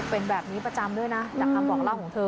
เป็นแบบนี้ประจำด้วยนะจากคำบอกเล่าของเธอ